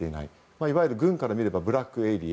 いわゆる軍から見ればブラックエリア